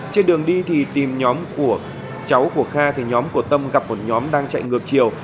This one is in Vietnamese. trên đường đi thì tìm nhóm của cháu của kha thì nhóm của tâm gặp một nhóm đang chạy ngược chiều